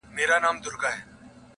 زه درڅخه ځمه ته اوږدې شپې زنګوه ورته؛